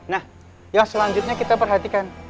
nah yang selanjutnya kita perhatikan